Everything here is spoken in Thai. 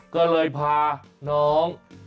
ก็เลยพาน้อง